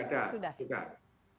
sudah sudah ada